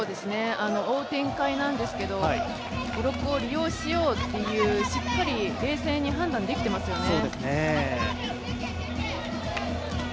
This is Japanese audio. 追う展開なんですが、ブロックを利用しようというしっかり冷静に判断できてますよね。